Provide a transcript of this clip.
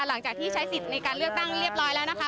หลังจากที่ใช้สิทธิ์ในการเลือกตั้งเรียบร้อยแล้วนะคะ